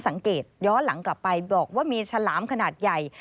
สังเกตย้อนหลังกลับไปบอกว่ามีฉลามขนาดใหญ่